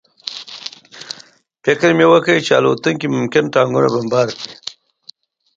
فکر مې وکړ چې الوتکې ممکن ټانکونه بمبار کړي